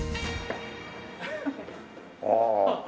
ああ。